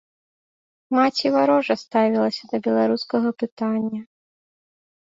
Маці варожа ставілася да беларускага пытання.